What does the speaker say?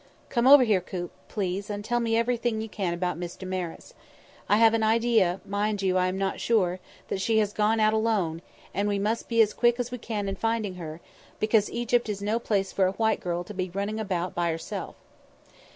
"Come over here, Coop, please, and tell me everything you can about Miss Damaris. I have an idea mind you, I am not sure that she has gone out alone, and we must be as quick as we can in finding her, because Egypt is no place for a white girl to be running about in by herself."